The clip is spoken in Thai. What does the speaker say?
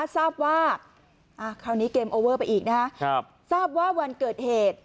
ทราบว่าคราวนี้เกมโอเวอร์ไปอีกนะครับทราบว่าวันเกิดเหตุ